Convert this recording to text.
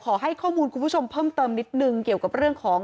ขอให้ข้อมูลคุณผู้ชมเพิ่มเติมนิดนึงเกี่ยวกับเรื่องของ